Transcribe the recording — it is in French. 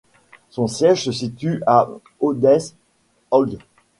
Son siège se situe à Ödeshög.